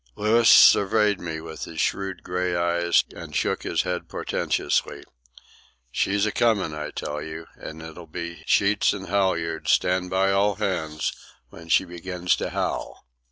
Louis surveyed me with his shrewd grey eyes, and shook his head portentously. "She's a comin', I tell you, and it'll be sheets and halyards, stand by all hands, when she begins to howl.